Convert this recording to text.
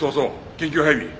緊急配備。